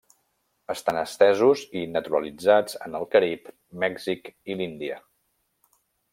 Estan estesos i naturalitzats en el Carib, Mèxic i l'Índia.